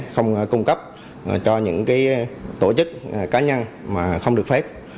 không cung cấp cho những tổ chức cá nhân mà không được phép